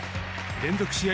連続試合